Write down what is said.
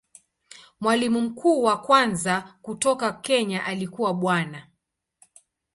Mwalimu mkuu wa kwanza kutoka Kenya alikuwa Bwana.